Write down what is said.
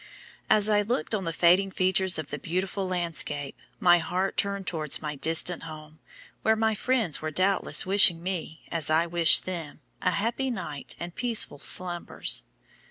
As I looked on the fading features of the beautiful landscape, my heart turned towards my distant home, where my friends were doubtless wishing me, as I wish them, a happy night and peaceful slumbers.